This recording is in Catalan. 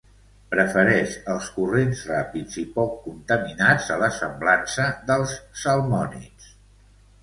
Prefereix els corrents ràpids i poc contaminats a la semblança dels salmònids.